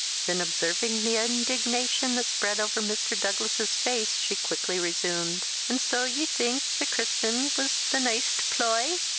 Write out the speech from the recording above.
Then observing the indignation that spread over Mr. Douglas's face, she quickly resumed, "An' so ye think the kirsnin was the neist ploy?